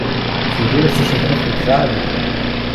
Sie redet sich um Kopf und Kragen.